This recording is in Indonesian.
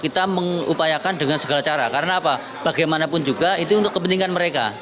kita mengupayakan dengan segala cara karena apa bagaimanapun juga itu untuk kepentingan mereka